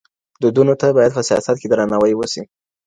دودونو ته بايد په سياست کې درناوی وسي.